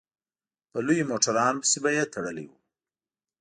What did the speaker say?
په لویو موټرانو پسې به يې تړلي وو.